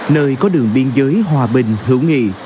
nơi có đường biên giới hòa bình hữu nghị